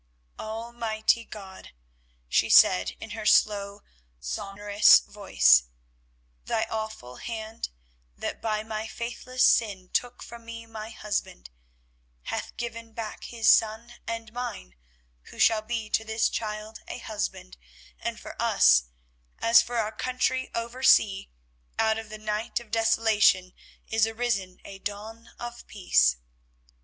"Almighty God," she said in her slow, sonorous voice, "Thy awful Hand that by my own faithless sin took from me my husband, hath given back his son and mine who shall be to this child a husband, and for us as for our country over sea, out of the night of desolation is arisen a dawn of peace.